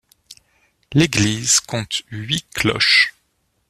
L'église compte huit cloches.